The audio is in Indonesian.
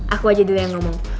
aku aja dulu yang ngomong